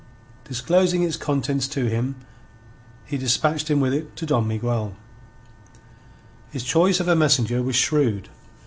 Disclosing its contents to him, he despatched him with it to Don Miguel. His choice of a messenger was shrewd.